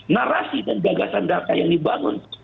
narasi dan jaga sandara yang dibangun